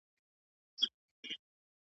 خپل ځان له هر ډول بد عادت وساتئ.